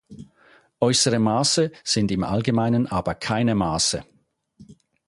Äußere Maße sind im Allgemeinen aber keine Maße.